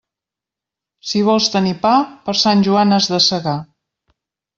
Si vols tenir pa, per Sant Joan has de segar.